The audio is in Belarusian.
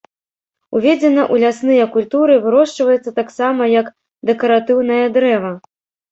Уведзена ў лясныя культуры, вырошчваецца таксама як дэкаратыўнае дрэва.